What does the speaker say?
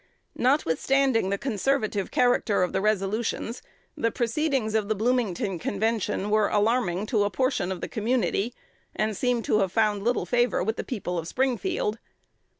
Notwithstanding the conservative character of the resolutions, the proceedings of the Bloomington Convention were alarming to a portion of the community, and seem to have found little favor with the people of Springfield.